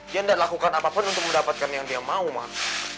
dia tidak lakukan apapun untuk mendapatkan yang dia mau mas